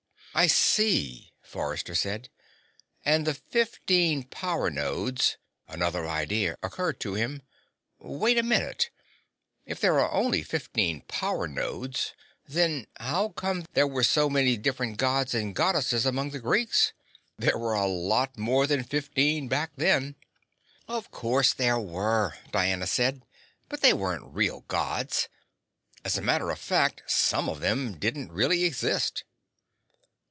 "I see," Forrester said. "And the fifteen power nodes " Another idea occurred to him. "Wait a minute. If there are only fifteen power nodes, then how come there were so many different Gods and Goddesses among the Greeks? There were a lot more than fifteen back then." "Of course there were," Diana said, "but they weren't real Gods. As a matter of fact, some of them didn't really exist."